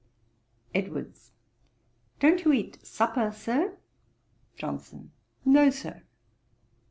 EDWARDS. 'Don't you eat supper, Sir?' JOHNSON. 'No, Sir.'